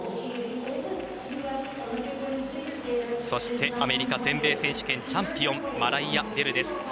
そして、アメリカ全米選手権チャンピオンマライア・ベルです。